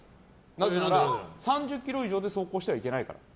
なぜなら、３０キロ以上で走行してはいけないから。